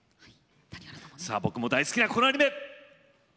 僕も大好きなこのアニメ！